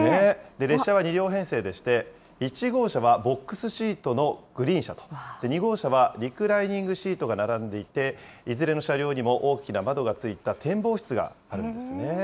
列車は２両編成でして、１号車はボックスシートのグリーン車と、２号車はリクライニングシートが並んでいて、いずれの車両にも大きな窓がついた展望室があるんですね。